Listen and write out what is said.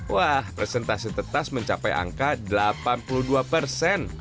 wah presentasi tetas mencapai angka delapan puluh dua persen